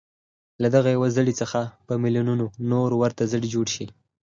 له دغه يوه زړي په ميليونونو نور ورته زړي جوړ شي.